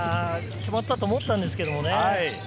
決まったと思ったんですけどね。